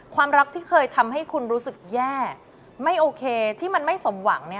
ความรักที่เคยทำให้คุณรู้สึกแย่ไม่โอเคที่มันไม่สมหวัง